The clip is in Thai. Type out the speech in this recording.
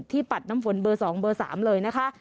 ที่ปัดน้ำฝนเบอร์สองเบอร์สามเลยนะคะ